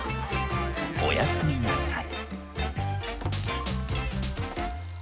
おやすみなさい。